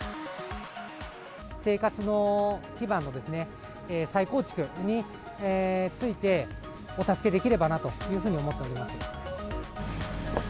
生活の基盤のですね、再構築についてお助けできればなというふうに思っております。